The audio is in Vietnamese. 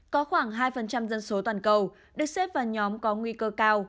có khoảng hai dân số toàn cầu được xếp vào nhóm có nguy cơ cao